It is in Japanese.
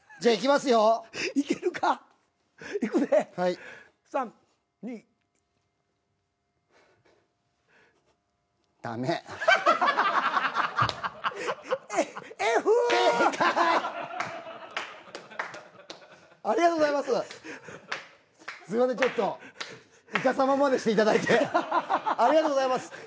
ありがとうございます。